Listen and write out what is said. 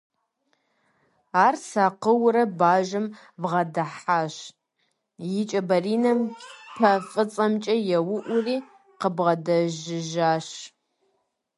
Ар сакъыурэ бажэм бгъэдыхьащ, и кӀэ баринэм пэ фӀыцӀэмкӀэ еуӀури къыбгъэдэжыжащ.